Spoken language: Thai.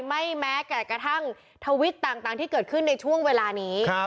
แม้แก่กระทั่งทวิตต่างที่เกิดขึ้นในช่วงเวลานี้